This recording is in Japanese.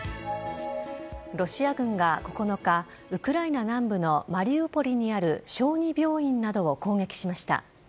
ロシア軍が、９日ウクライナ南部のマリウポリにある小児病院などを攻撃しました。